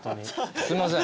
すいません。